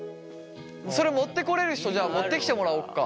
それ持ってこれる人じゃあ持ってきてもらおうか。